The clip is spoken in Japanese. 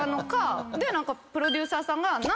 何かプロデューサーさんが。